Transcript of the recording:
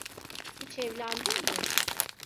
Hiç evlendin mi?